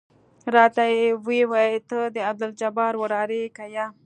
راته ويې ويل ته د عبدالجبار وراره يې که يه.